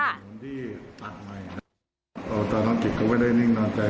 เป็นพื้นที่ตัดใหม่นะตอนนจิกก็ไม่ได้นึงนอนใจ